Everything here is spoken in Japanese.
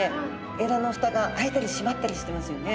えらの蓋が開いたり閉まったりしてますよね。